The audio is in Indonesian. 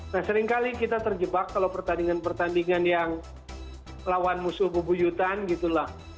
nah seringkali kita terjebak kalau pertandingan pertandingan yang lawan musuh bebuyutan gitu lah